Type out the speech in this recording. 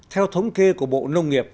theo thống kê của bộ nông nghiệp